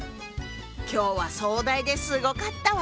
今日は壮大ですごかったわね。